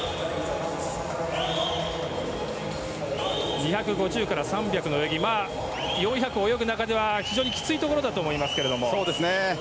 ２５０から３００の泳ぎ４００を泳ぐ中では非常にきついところだと思いますが。